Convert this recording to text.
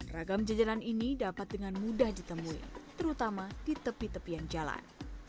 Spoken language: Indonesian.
ragam jajanan ini dapat dengan mudah ditemui terutama di tepi tepian jalan